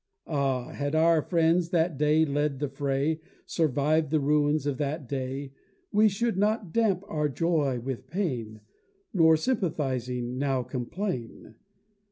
Ah! had our friends that led the fray Surviv'd the ruins of that day, We should not damp our joy with pain, Nor, sympathizing, now complain.